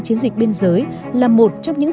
chiến dịch biên giới là một trong những